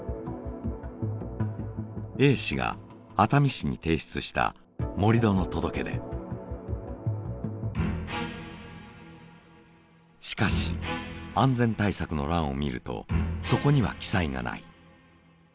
Ａ氏が熱海市に提出した盛り土の届け出しかし安全対策の欄を見るとそこには記載がない。